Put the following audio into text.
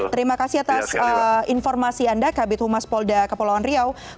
terima kasih atas informasi anda kabit humas polda kepulauan riau